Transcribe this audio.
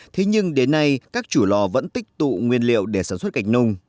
thế nhưng đến nay các chủ lò vẫn tích tụ nguyên liệu để sản xuất cạch nông